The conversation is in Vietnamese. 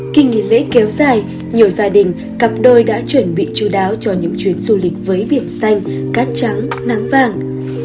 kỳ nghỉ lễ kéo dài nhiều gia đình cặp đôi đã chuẩn bị chú đáo cho những chuyến du lịch với biển xanh cát trắng nắng vàng